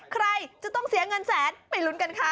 ใครจะต้องเสียเงินแสนไปลุ้นกันค่ะ